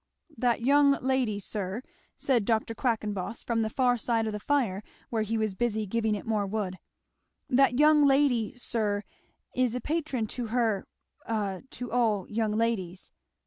"That young lady, sir," said Dr. Quackenboss from the far side of the fire, where he was busy giving it more wood, "that young lady, sir, is a pattron to her a to all young ladies."